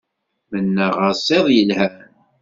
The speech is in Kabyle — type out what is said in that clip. Mennaɣ-as iḍ yelhan.